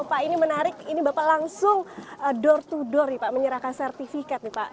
pak ini menarik ini bapak langsung door to door nih pak menyerahkan sertifikat nih pak